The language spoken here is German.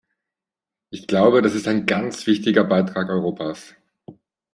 Ich glaube, das ist ein ganz wichtiger Beitrag Europas.